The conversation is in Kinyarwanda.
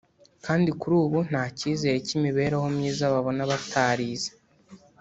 kandi kuri ubu nta cyizere cy’imibereho myiza babona batarize